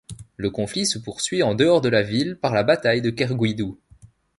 Le conflit se poursuit en dehors de la ville par la bataille de Kerguidu.